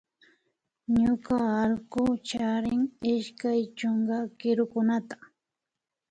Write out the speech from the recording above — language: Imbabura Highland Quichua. Ñuka allku charin ishkay chunka kirukunata